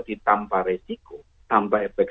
ditampar resiko tampar efek